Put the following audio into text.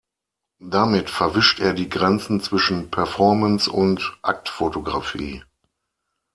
Damit verwischt er die Grenzen zwischen Performance und Aktfotografie.